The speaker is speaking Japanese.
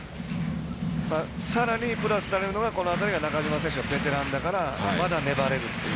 さらにプラスされるのがこの辺りが中島選手がベテランだからまだ粘れるっていう。